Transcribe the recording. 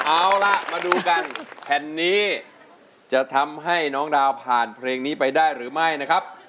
เอาล่ะมาดูกันแผ่นนี้จะทำให้น้องดาวผ่านเพลงนี้ไปได้หรือไม่นะครับ